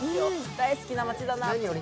大好きな街だなと。